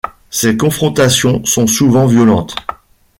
Ces confrontations sont souvent violentes.